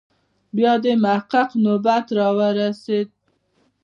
بیا د محقق نوبت راورسېد.